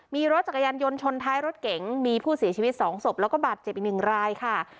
มีรถจักรยานยนต์ชนท้ายรถเก๋งมีผู้เสียชีวิต๒ศพแล้วก็บาดเจ็บอีกหนึ่งรายค่ะ